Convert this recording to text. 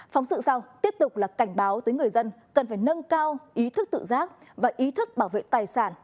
phóng sự sau tiếp tục là cảnh báo tới người dân cần phải nâng cao ý thức tự giác và ý thức bảo vệ tài sản